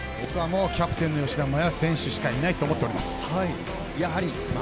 キャプテン・吉田麻也選手しかいないと思っております。